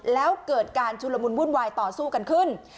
แล้วเกิดการชุลมุนวุ่นวายต่อสู้กันขึ้น